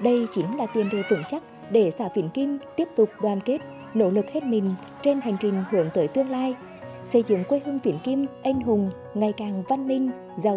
đây chính là nguồn động lực để xã vĩnh kim tiếp tục đoàn kết nỗ lực xây dựng thành công xã nông thôn mới kiểu mẫu giai đoàn